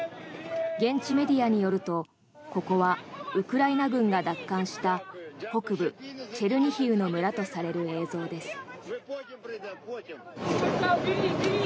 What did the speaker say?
現地メディアによるとここはウクライナ軍が奪還した北部チェルニヒウの村とされる映像です。